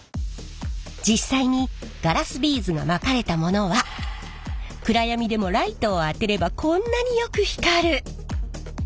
実際にガラスビーズがまかれたものは暗闇でもライトを当てればこんなによく光る！